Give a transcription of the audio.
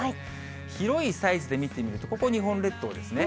広いサイズで見てみると、ここ日本列島ですね。